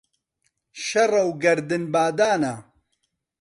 شەڕە و گەردن بادانە